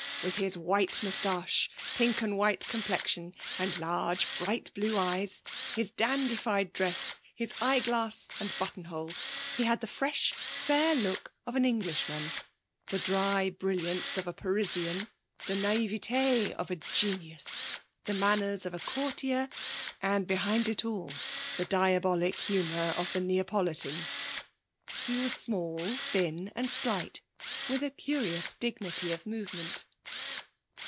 With his white moustache, pink and white complexion, and large bright blue eyes, his dandified dress, his eyeglass and buttonhole, he had the fresh, fair look of an Englishman, the dry brilliance of a Parisian, the naïveté of a genius, the manners of a courtier, and behind it all the diabolic humour of the Neapolitan. He was small, thin and slight, with a curious dignity of movement.